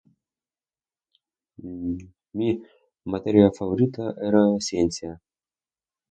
mi materia favorita era ciencia